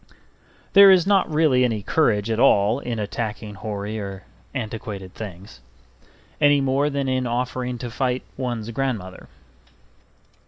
There is not really any courage at all in attacking hoary or antiquated things, any more than in offering to fight one's grandmother.